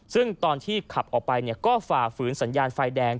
ซึ่งตอนที่ขับออกไปก็ฝ่าฝืนสัญญาณไฟแดง